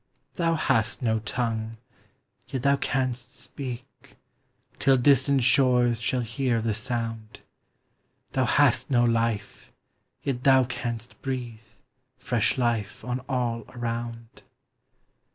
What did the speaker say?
Thou hast no tongue, yet thou canst speak, Till distant shores shall hear the sound; Thou hast no life, yet thou canst breathe Fresh life on all around.